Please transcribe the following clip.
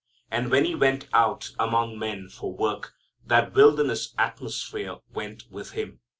And when He went out among men for work, that wilderness atmosphere went with Him.